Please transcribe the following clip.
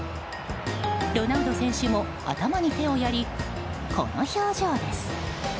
ロナウド選手も頭に手をやりこの表情です。